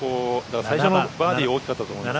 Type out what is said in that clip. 最初のバーディーが大きかったと思いますね。